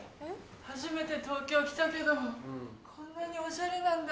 初めて東京来たけどこんなにオシャレなんだ。